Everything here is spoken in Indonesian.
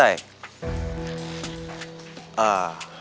ah itu kan penting gak ada yang bahaya